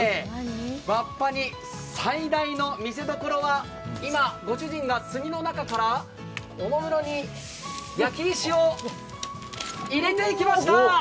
わっぱ煮、最大の見せどころは今、ご主人が炭の中からおもむろに焼き石を入れていきました。